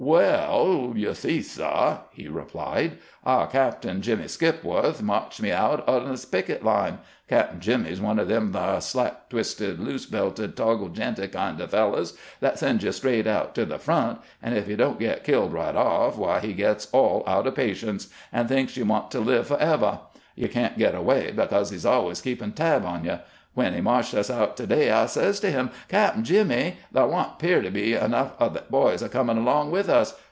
" Well, you see, sub," he replied, " our cap'n, Jimmy Skipwo'th, marched me out on the picket line. Cap'n Jimmy 's one o' them thab slack twisted, loose belted, toggle j'inted kind o' fellers that sends you straight out to the front ; and if you don't get killed right off, why, he gets all out o' patience, an' thinks you want to live fo'evah. Tou can't get away, because he 's always keepin' tab on you. When he marched us out to day I says to him : 'Cap'n Jimmy, thah don't 'pear to be enough of the boys a comin' along with us.